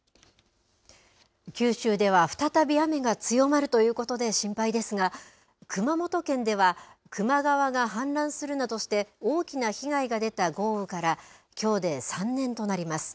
九州では再び雨が強まるということで心配ですが、熊本県では球磨川が氾濫するなどして大きな被害が出た豪雨からきょうで３年となります。